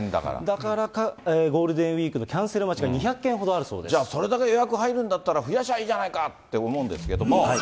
だからゴールデンウィークのキャンセル待ちが２００件ほどあじゃあ、それだけ予約入るんだったら、増やしゃいいじゃないかって思うんですけども。